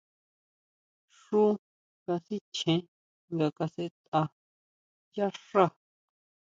Xu kasichjen nga kasʼetʼa yá xá.